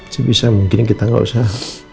sebisa mungkin kita nggak usah